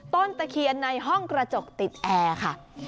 ตะเคียนในห้องกระจกติดแอร์ค่ะ